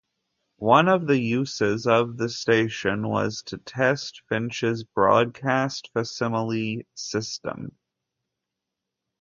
One of the uses of the station was to test Finch's broadcast facsimile system.